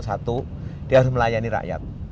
satu dia harus melayani rakyat